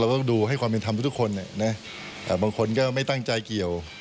ต้องดูให้ความเป็นธรรมทุกคนบางคนก็ไม่ตั้งใจเกี่ยว